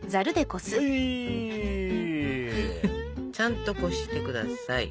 ちゃんとこして下さい。